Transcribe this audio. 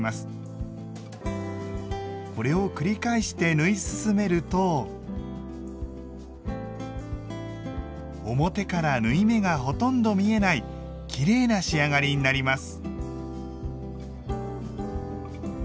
これを繰り返して縫い進めると表から縫い目がほとんど見えないきれいな仕上がりになります。